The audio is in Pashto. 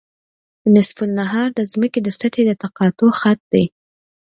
نصف النهار د ځمکې د سطحې د تقاطع خط دی